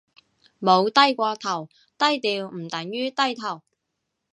冇低過頭，低調唔等於低頭